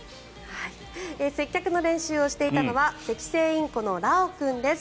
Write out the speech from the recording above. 接客の練習をしていたのはセキセイインコのラオ君です。